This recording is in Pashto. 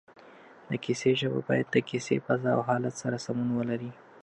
د کیسې ژبه باید د کیسې فضا او حالت سره سمون ولري